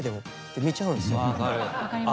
見ちゃうんですよ。